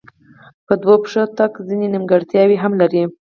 په دوو پښو تګ ځینې نیمګړتیاوې هم لري.